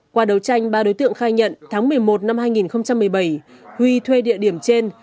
qua đấu tranh ba đối tượng khai nhận tháng một mươi một năm hai nghìn một mươi bảy huy thuê địa điểm trên